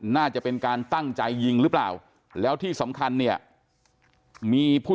น่าจะเป็นการตั้งใจยิงหรือเปล่าแล้วที่สำคัญเนี่ยมีผู้